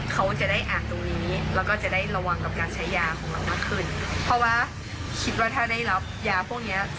เขาจะได้อ่านตรงนี้แล้วก็จะได้ระวังกับการใช้ยาของเรามากขึ้น